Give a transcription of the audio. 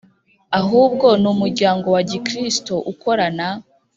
ahubwo ni umuryango wa Gikristo ukorana